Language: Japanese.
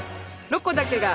「ロコだけが」。